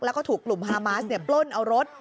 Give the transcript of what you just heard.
แล้วก็ถูกกลุ่มฮามาสปล้นเอารถ